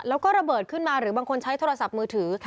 แล้วก็ระเบิดขึ้นมาหรือบางคนใช้โทรศัพท์มือถือ